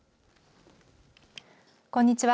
こんにちは。